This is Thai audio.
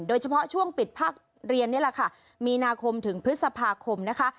โดยเฉพาะช่วงปิดภาคเรียนนี่แหละค่ะมีนาคมถึงพฤษภาคมนะคะ